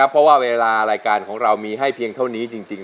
เพราะว่าเวลารายการของเรามีให้เพียงเท่านี้จริง